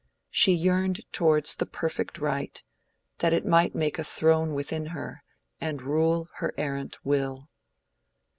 She yearned towards the perfect Right, that it might make a throne within her, and rule her errant will.